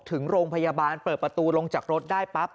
ถึงโรงพยาบาลเปิดประตูลงจากรถได้ปั๊บ